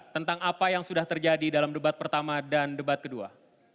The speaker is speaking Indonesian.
dengan debat pertama dan debat kedua